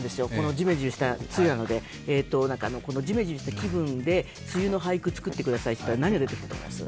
ジメジメした梅雨なので、ジメジメした気分で梅雨の俳句を作ってといったら、何が出てきたと思います？